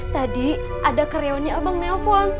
tadi ada karyawannya abang nelfon